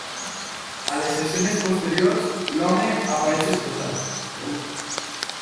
A les escenes posteriors, l'home apareix esposat.